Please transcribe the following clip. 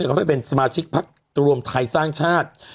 เขาไปเป็นสมาชิกพักรวมไทยสร้างชาติ